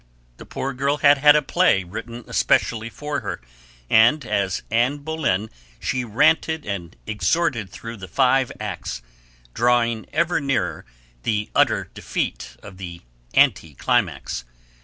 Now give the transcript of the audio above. The poor girl had had a play written especially for her, and as Anne Boleyn she ranted and exhorted through the five acts, drawing ever nearer the utter defeat of the anticlimax.